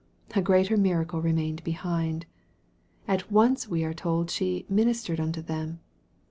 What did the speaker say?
A greater miracle remained behind. At once we are told " she ministered unto them."